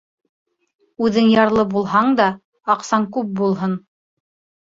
Үҙең ярлы булһаң да, аҡсаң күп булһын.